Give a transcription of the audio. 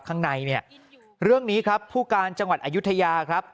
ข้างในเนี่ยเรื่องนี้ครับผู้การจังหวัดอายุทยาครับ